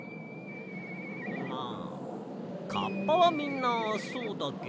まあカッパはみんなそうだけど。